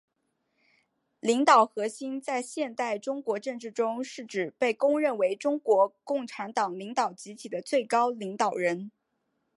领导核心在现代中国政治中是指被公认为中国共产党领导集体的最高领导人。